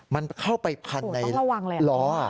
มันเข้าไปพันในล้อ